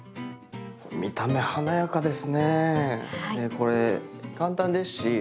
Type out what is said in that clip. これ簡単ですしおい